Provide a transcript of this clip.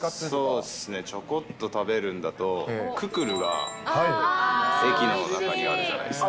そうですね、ちょこっと食べるんだと、くくるが駅の中にあるじゃないですか。